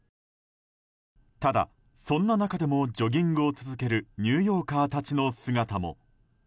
ただ、そんな中でもジョギングを続けるニューヨーカーたちの姿も。